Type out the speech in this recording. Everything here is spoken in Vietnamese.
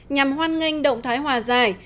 nhằm hoan nghênh động thái hòa giải